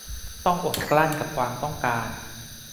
ต้องอดกลั้นกับความต้องการ